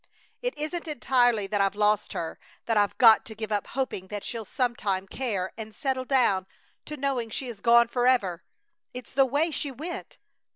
"It isn't entirely that I've lost her; that I've got to give up hoping that she'll some time care and settle down to knowing she is gone forever! It's the way she went!